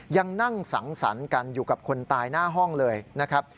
ยังนั่งสังสรรค์กันอยู่กับคนตายหน้าห้องเลยนะครับ